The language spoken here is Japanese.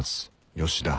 吉田